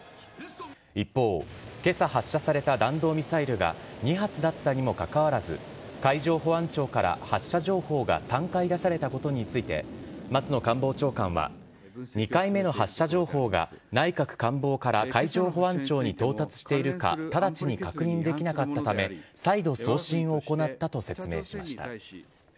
一方、けさ発射された弾道ミサイルが２発だったにもかかわらず、海上保安庁から発射情報が３回出されたことについて、松野官房長官は、２回目の発射情報が内閣官房から海上保安庁に到達しているか、直ちに確認できなかったため、再度送信を行ったと説明しました。